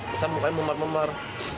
terus mukanya mumar mumar